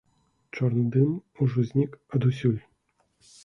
Чорны дым ужо знік адусюль.